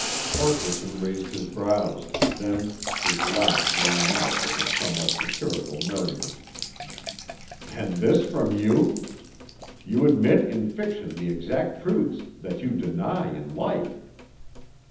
Farquaharson raised his brows, then his laugh rang out with a somewhat satirical merriment. "And this from you! You admit in fiction the exact truths that you deny in life."